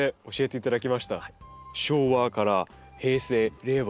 昭和から平成令和